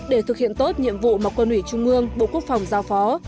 để thực hiện tốt nhiệm vụ mà quân ủy trung ương bộ quốc phòng giao phó